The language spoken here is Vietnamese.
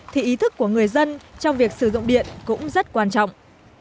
thì ý thức của người dân trong việc sử dụng điện cũng rất quan trọng